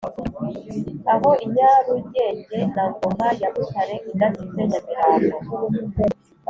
aho i nyarugenge na ngoma ya butare udasize nyamirambo